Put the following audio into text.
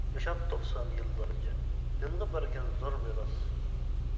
ياشاپ توقسان يىللارچە، دىنغا بەرگەن زور مىراس.